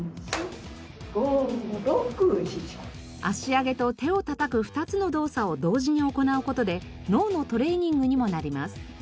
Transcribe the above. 足上げと手を叩く２つの動作を同時に行う事で脳のトレーニングにもなります。